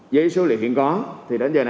với số liệu hiện có